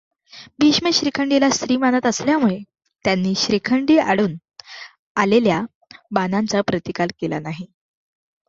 भीष्म शिखंडीला स्त्री मानत असल्यामुळे त्यांनी शिखंडीआडून आलेल्या बाणांचा प्रतिकार केला नाही.